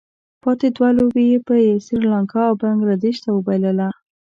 پاتې دوه لوبې یې یوه سري لانکا او بله بنګله دېش ته وبايلله.